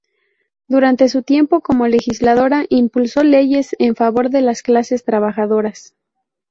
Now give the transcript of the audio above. Durante su tiempo como legisladora impulsó leyes en favor de las clases trabajadoras.